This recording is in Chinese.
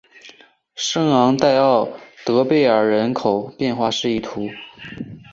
圣昂代奥德贝尔人口变化图示